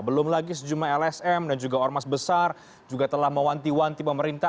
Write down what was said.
belum lagi sejumlah lsm dan juga ormas besar juga telah mewanti wanti pemerintah